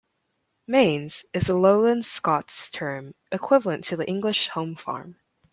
"Mains" is a Lowland Scots term equivalent to the English home farm.